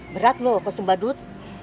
berat loh kostum badut